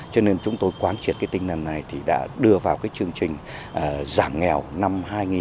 cho nên chúng tôi quán triệt tinh thần này đã đưa vào chương trình giảm nghèo năm hai nghìn một mươi tám